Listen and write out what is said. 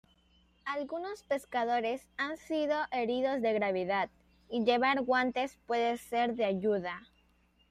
Algunos pescadores han sido heridos de gravedad, y llevar guantes puede ser de ayuda.